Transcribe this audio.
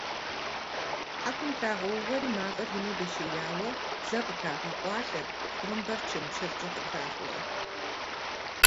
Хьэкум трагъэувэри, мафӀэр ину дэшеяуэ зэ къытрагъэкъуалъэ, тхъурымбэр чымчыркӀэ къытрахыурэ.